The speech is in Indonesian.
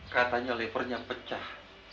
katanya lepernya pecah